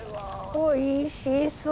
おいしそう。